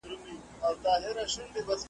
بیا نو ولاړ سه آیینې ته هلته وګوره خپل ځان ته `